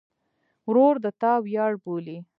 ورور د تا ویاړ بولې.